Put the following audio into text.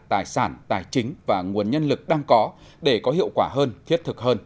tài sản tài chính và nguồn nhân lực đang có để có hiệu quả hơn thiết thực hơn